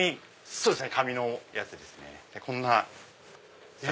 そうですね。